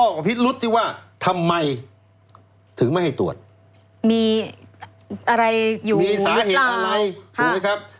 ก็พิรุษที่ว่าทำไมถึงไม่ให้ตรวจมีอะไรอยู่มีสาเหตุอะไรถูกไหมครับ